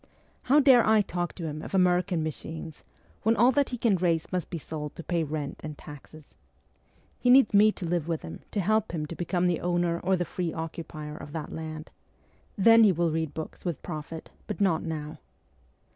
How dare I talk to him of American machines, when all that he can raise must be sold to pay rent and taxes ? He needs me to live with him, to help him to become the owner or the free occupier of that land. Then he will read books with profit, but not now.'